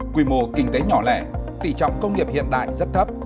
quy mô kinh tế nhỏ lẻ tỷ trọng công nghiệp hiện đại rất thấp